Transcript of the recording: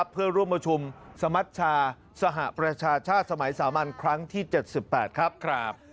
เพื่อร่วมประชุมสมัชชาสหประชาชาติสมัยสามัญครั้งที่๗๘ครับ